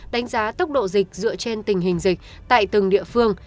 đánh giá tốc độ dịch dựa trên tình hình dịch tại từng địa phương